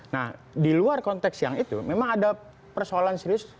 nah di luar konteks yang itu memang ada persoalan serius